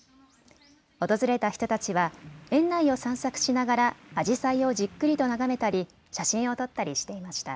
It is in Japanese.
訪れた人たちは園内を散策しながらあじさいをじっくりと眺めたり写真を撮ったりしていました。